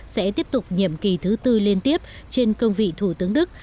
sẽ tiếp tục nhiệm kỳ thứ tư liên tiếp trên công vị thủ tướng đức